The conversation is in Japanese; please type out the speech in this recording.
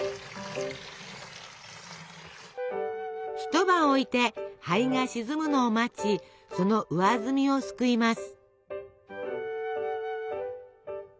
一晩置いて灰が沈むのを待ちその上澄みをすくいます。